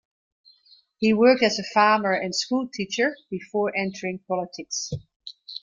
He worked as a farmer and school teacher before entering politics.